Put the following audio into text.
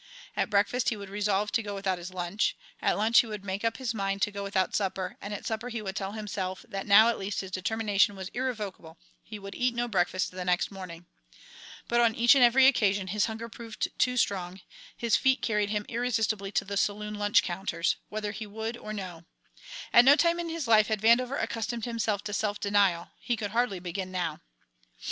At breakfast he would resolve to go without his lunch, at lunch he would make up his mind to go without supper, and at supper he would tell himself that now at least his determination was irrevocable he would eat no breakfast the next morning. But on each and every occasion his hunger proved too strong, his feet carried him irresistibly to the saloon lunch counters, whether he would or no. At no time in his life had Vandover accustomed himself to self denial; he could hardly begin now.